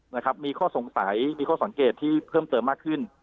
นะครับมีข้อสงสัยมีข้อสังเกตที่เพิ่มเติมมากขึ้น